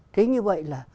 thế như vậy là